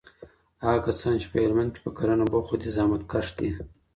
هغه کسان چي په هلمند کي په کرنه بوخت دي، زحمتکښ دي.